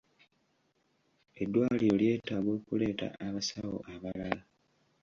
Eddwaliro lyetaaga okuleeta abasawo abalala.